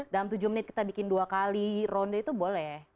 dalam tujuh menit kita bikin dua kali ronde itu boleh